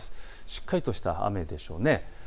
しっかりとした雨ですね。